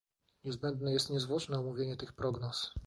Niezbędne jest niezwłoczne omówienie tych prognoz